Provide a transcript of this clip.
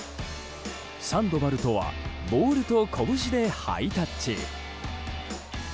サンドバルとはボールとこぶしでハイタッチ。